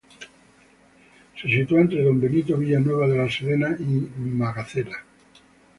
Se sitúa entre Don Benito, Villanueva de la Serena y Magacela.